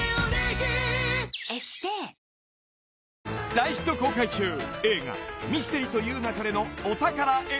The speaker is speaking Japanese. ［大ヒット公開中映画『ミステリと言う勿れ』の］